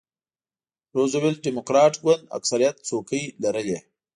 روزولټ ډیموکراټ ګوند اکثریت څوکۍ لرلې.